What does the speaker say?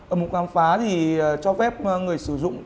ở mục khám phá thì cho phép người sử dụng